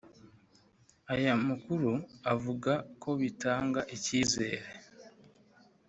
Aya makuru avuga ko bitanga icyizere